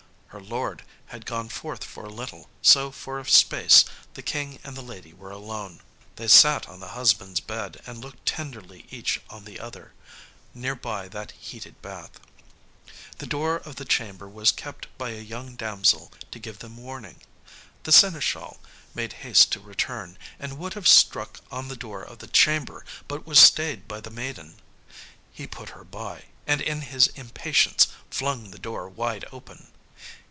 Her lord had gone forth for a little, so for a space the King and the lady were alone. They sat on the husband's bed, and looked tenderly each on the other, near by that heated bath. The door of the chamber was kept by a young damsel to give them warning. The seneschal made haste to return, and would have struck on the door of the chamber, but was stayed by the maiden. He put her by, and in his impatience flung the door wide open.